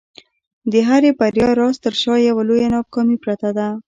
د هري بریا راز تر شا یوه لویه ناکامي پرته ده.